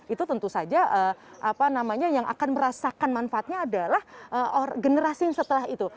itu tentu saja apa namanya yang akan merasakan manfaatnya adalah generasi yang setelah itu